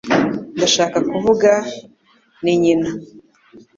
Ndashaka kuvuga; ni nyina.